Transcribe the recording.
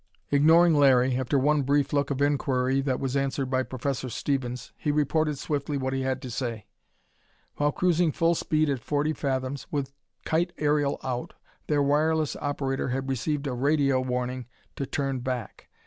Ignoring Larry, after one brief look of inquiry that was answered by Professor Stevens, he reported swiftly what he had to say. While cruising full speed at forty fathoms, with kite aerial out, their wireless operator had received a radio warning to turn back.